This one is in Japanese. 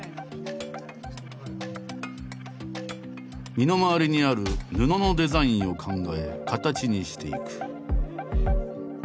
身の回りにある布のデザインを考え形にしていく。